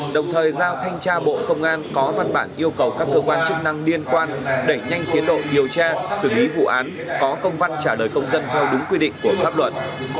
đồng thời giao thanh tra bộ công an có văn bản yêu cầu các cơ quan chức năng liên quan đẩy nhanh tiến độ điều tra xử lý vụ án có công văn trả lời công dân theo đúng quy định của pháp luật